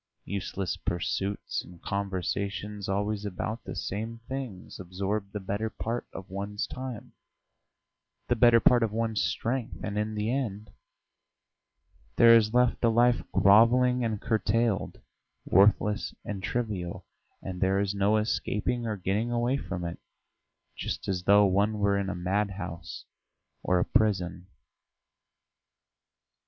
Useless pursuits and conversations always about the same things absorb the better part of one's time, the better part of one's strength, and in the end there is left a life grovelling and curtailed, worthless and trivial, and there is no escaping or getting away from it just as though one were in a madhouse or a prison.